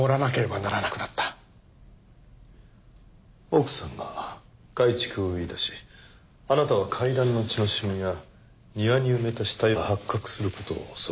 奥さんが改築を言いだしあなたは階段の血の染みや庭に埋めた死体が発覚する事を恐れた。